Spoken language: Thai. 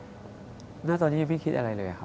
บ๊วยบ๊วยหน้าตอนนี้ยังไม่คิดอะไรเลยครับ